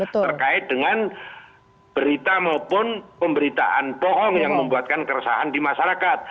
terkait dengan berita maupun pemberitaan bohong yang membuatkan keresahan di masyarakat